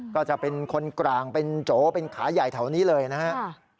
ก็จะเป็นคนกลางเป็นโจเป็นขาใหญ่แถวนี้เลยนะครับ